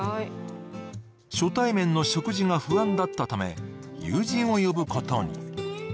初対面の食事が不安だったため友人を呼ぶことに。